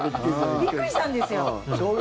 びっくりしたんですよ。